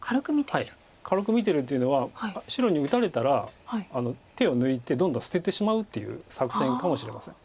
軽く見てるっていうのは白に打たれたら手を抜いてどんどん捨ててしまうっていう作戦かもしれません。